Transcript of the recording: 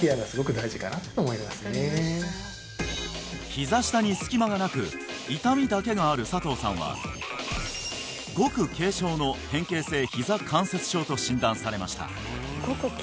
ひざ下に隙間がなく痛みだけがある佐藤さんはごく軽症の変形性ひざ関節症と診断されました